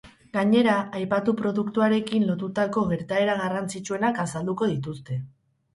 Gainera, aipatu produktuarekin lotutako gertaera garrantzitsuenak azalduko dituzte.